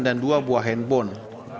dan dua buah handphone